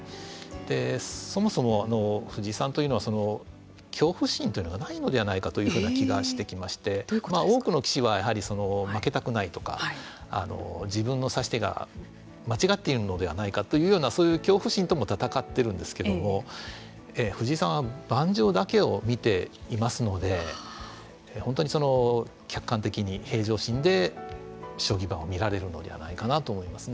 そもそも、藤井さんというのは恐怖心というのがないのではないかというふうな気がしてきまして多くの棋士は負けたくないとか自分の指し手が間違っているのではないかというようなそういう恐怖心とも戦っているんですけども藤井さんは盤上だけを見ていますので本当に客観的に平常心で将棋盤を見られるのではないかなと思いますね。